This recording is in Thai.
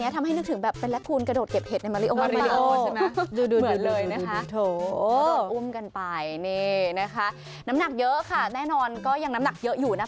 แต่ผ่านเข้ามาได้เหนื่อยนะคะ